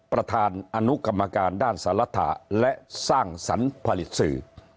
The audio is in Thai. ประธานอนุกรรมการด้านสารฐะและสร้างสรรค์ผลิตสื่อ